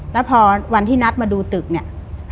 แล้วพอวันที่นัดมาดูตึกเนี่ย